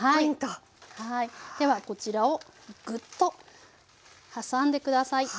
ではこちらをグッと挟んで下さい。